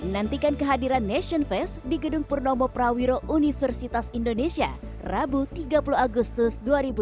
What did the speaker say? nantikan kehadiran nation fest di gedung purnomo prawiro universitas indonesia rabu tiga puluh agustus dua ribu dua puluh